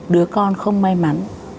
đứa con không may mắn